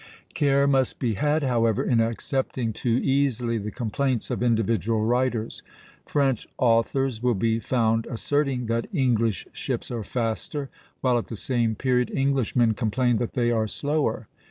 Care must be had, however, in accepting too easily the complaints of individual writers; French authors will be found asserting that English ships are faster, while at the same period Englishmen complain that they are slower.